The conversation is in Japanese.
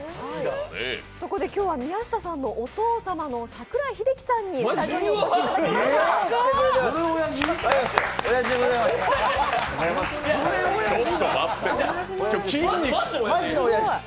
今日は宮下さんのお父様の櫻井英樹さんにスタジオにお越しいただきました。